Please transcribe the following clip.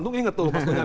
untung inget tuh